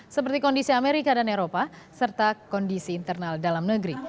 seperti kondisi amerika dan eropa serta kondisi internal dalam negeri